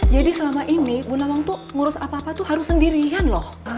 jadi selama ini bu nawang tuh ngurus apa apa tuh harus sendirian loh